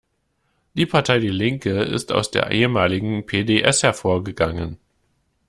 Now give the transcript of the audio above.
Die Partei die Linke ist aus der ehemaligen P-D-S hervorgegangen.